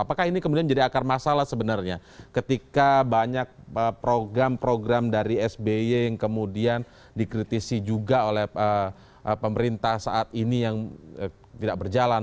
apakah ini kemudian jadi akar masalah sebenarnya ketika banyak program program dari sby yang kemudian dikritisi juga oleh pemerintah saat ini yang tidak berjalan